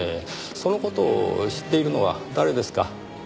その事を知っているのは誰ですか？